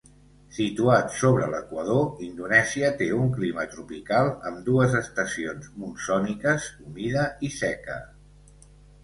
Situat sobre l'equador, Indonèsia té un clima tropical amb dues estacions monsòniques humida i seca.